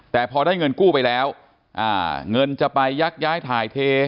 แต่พอได้เงินกู้ไปแล้วเงินจะไปยักย้ายถ่ายเท